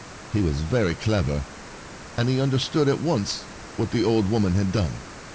H e was very clever, and he under stood at once what the old woman had done.